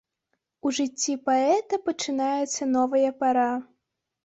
У жыцці паэта пачынаецца новая пара.